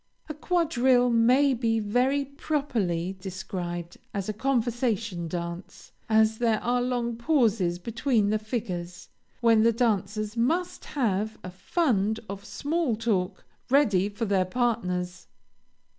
A quadrille may be very properly described as a conversation dance, as there are long pauses between the figures, when the dancers must have a fund of small talk ready for their partners.